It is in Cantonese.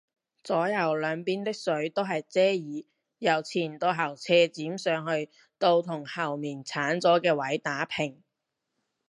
左右兩邊的水都係遮耳，由前到後斜剪上去到同後面剷咗嘅位打平